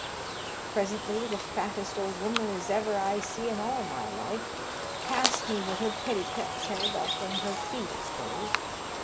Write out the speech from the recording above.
Presently the fattest old woman as ever I see in all my life, passed me with her petticuts held up and her feet exposed.